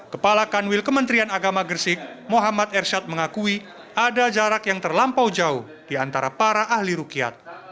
kepala kanwil kementerian agama gresik muhammad ersyad mengakui ada jarak yang terlampau jauh di antara para ahli rukiat